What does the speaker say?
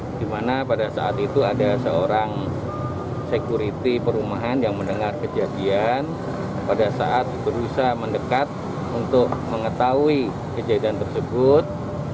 di mana pada saat itu ada seorang security perumahan yang mendengar kejadian pada saat berusaha mendekat untuk mengetahui kejadian tersebut